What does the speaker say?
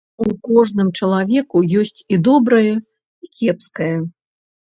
У кожным чалавеку ёсць і добрае і кепскае.